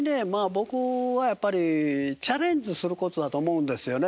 僕はやっぱりチャレンジすることだと思うんですよね